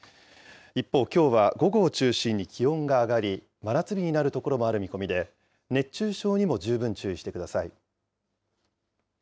一方、きょうは午後を中心に気温が上がり、真夏日になる所もある見込みで、熱中症にも十分注意してください。